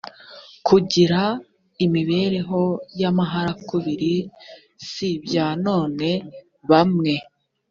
kugira imibereho y amaharakubiri si ibya none bamwe